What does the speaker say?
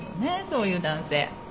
そういう男性。